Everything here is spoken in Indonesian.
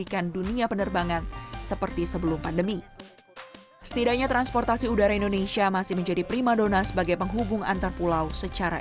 organisasi penerbangan sipil internasional maupun nasional mengakui membutuhkan penerbangan yang berbeda